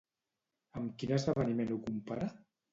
Amb quin esdeveniment ho compara?